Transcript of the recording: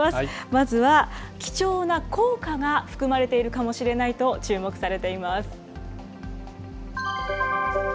まずは貴重な硬貨が含まれているかもしれないと注目されています。